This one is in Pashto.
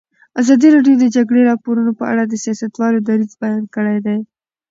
ازادي راډیو د د جګړې راپورونه په اړه د سیاستوالو دریځ بیان کړی.